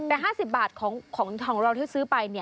แต่๕๐บาทของเราที่ซื้อไป